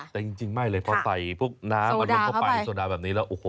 แต่จริงไม่เลยเพราะใส่พวกน้ำมันลงเข้าไปโซดาแบบนี้แล้ว